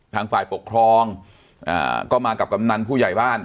ทางฝ่ายปกครองก็มากับกำนันผู้ใหญ่บ้าน